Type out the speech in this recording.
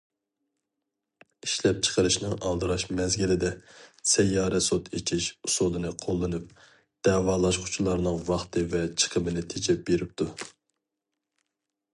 ئىشلەپچىقىرىشنىڭ ئالدىراش مەزگىلىدە‹‹ سەييارە سوت ئېچىش›› ئۇسۇلىنى قوللىنىپ، دەۋالاشقۇچىلارنىڭ ۋاقتى ۋە چىقىمىنى تېجەپ بېرىپتۇ.